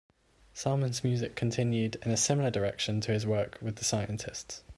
Salmon's music continued in a similar direction to his work with the Scientists.